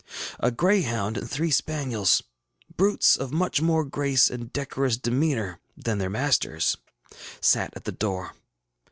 A greyhound and three spaniels, brutes of much more grace and decorous demeanor than their masters, sat at the door.